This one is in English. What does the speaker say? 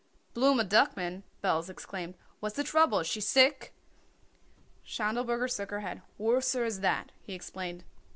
"Blooma Duckman!" Belz exclaimed. "What's the trouble; is she sick?" Schindelberger shook his head. "Worser as that," he explained.